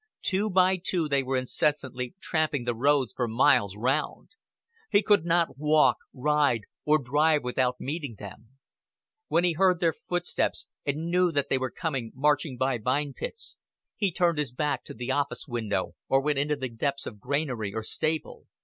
Two by two they were incessantly tramping the roads for miles round. He could not walk, ride, or drive without meeting them. When he heard their footsteps and knew that they were coming marching by Vine Pits, he turned his back to the office window, or went into the depths of granary or stable.